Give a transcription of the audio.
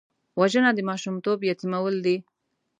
وژنه د ماشومتوب یتیمول دي